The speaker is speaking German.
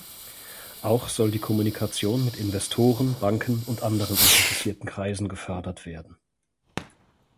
Auch soll die Kommunikation mit Investoren, Banken und anderen interessierten Kreisen gefördert werden.